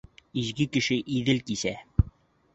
Изге кеше Иҙел кисә.